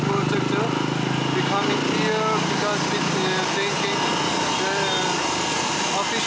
kita datang ke sini karena kita berpikir